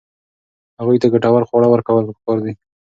هغوی ته ګټور خواړه ورکول پکار دي.